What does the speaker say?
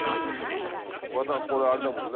またこれあれだもんね